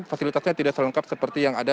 fasilitasnya tidak selengkap seperti yang ada